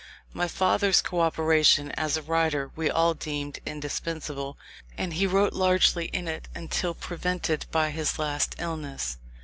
My father's co operation as a writer we all deemed indispensable, and he wrote largely in it until prevented by his last illness.